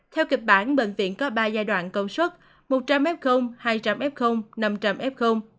theo kịch bản bệnh viện có ba giai đoạn công suất một trăm linh f hai trăm linh f năm trăm linh f